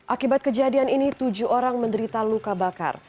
akibat kejadian ini tujuh orang menderita luka bakar